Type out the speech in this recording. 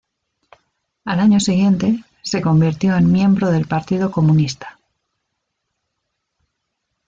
Al año siguiente, se convirtió en miembro del Partido Comunista.